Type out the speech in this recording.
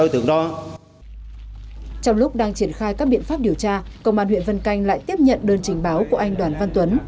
trong lúc đang triển khai các biện pháp điều tra công an huyện vân canh lại tiếp nhận đơn trình báo của anh đoàn văn tuấn